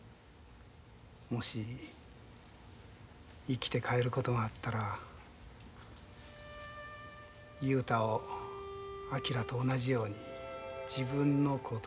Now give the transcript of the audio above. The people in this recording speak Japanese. もし生きて帰ることがあったら雄太を昭と同じように自分の子として育てたい。